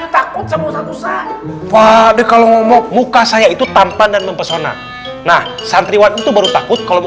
takut sama deh kalau ngomong muka saya itu tampan dan mempesona nah santriwan itu baru takut kalau mau